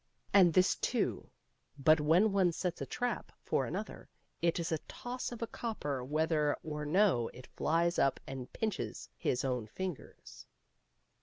And this too : But when one sets a trap for another, it is a toss of a copper whether or no it flies up and pinches his own fingers.